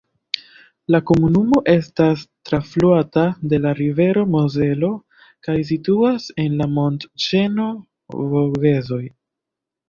La komunumo estas trafluata de la rivero Mozelo kaj situas en la montĉeno Vogezoj.